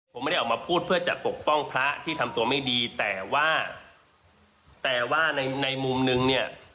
ผมไม่ได้ออกมาพูดเพื่อจะปกป้องพระที่ทำตัวไม่ดีแต่ว่าแต่ว่าในในมุมนึงเนี่ย